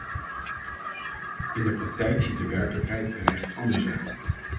In de praktijk ziet de werkelijkheid er echter anders uit.